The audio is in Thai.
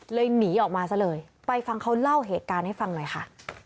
หนีออกมาซะเลยไปฟังเขาเล่าเหตุการณ์ให้ฟังหน่อยค่ะ